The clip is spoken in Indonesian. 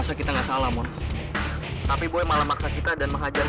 sekarang mendingan lo matikan handphone